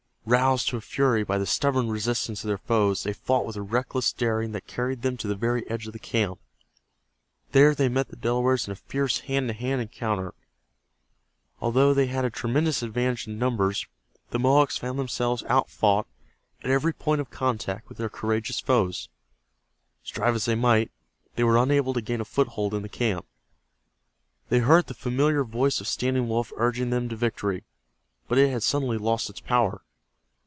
Roused to a fury by the stubborn resistance of their foes, they fought with a reckless daring that carried them to the very edge of the camp. There they met the Delawares in a fierce hand to hand encounter. Although they had a tremendous advantage in numbers the Mohawks found themselves outfought at every point of contact with their courageous foes. Strive as they might, they were unable to gain a foothold in the camp. They heard the familiar voice of Standing Wolf urging them to victory, but it had suddenly lost its power.